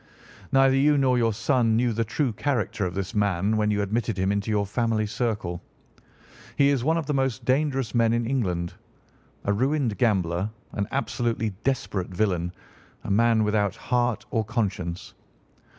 Neither you nor your son knew the true character of this man when you admitted him into your family circle. He is one of the most dangerous men in England—a ruined gambler, an absolutely desperate villain, a man without heart or conscience.